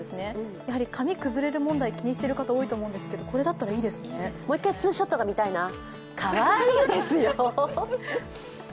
やはり髪崩れる問題気にしている方が多いと思うんですけどもう一回ツーショットが見たいな、かわいいですよ。